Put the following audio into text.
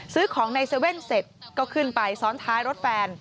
ซื้อของใน๗๑๑เสร็จก็ขึ้นไปซ้อนท้ายรถแฟน